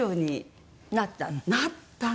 なったの？